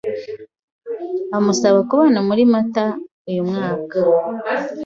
amusaba kubana muri Mata uyu mwaka.